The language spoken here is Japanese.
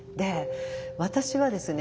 私はですね